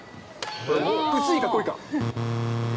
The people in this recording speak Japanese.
薄いか濃いか。